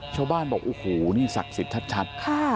ชาวบ้านบอกโอ้โหนี่ศักดิ์สิทธิ์ชัด